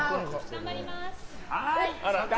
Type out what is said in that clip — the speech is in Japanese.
頑張ります！